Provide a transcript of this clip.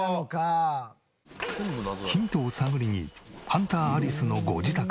ヒントを探りにハンターアリスのご自宅へ。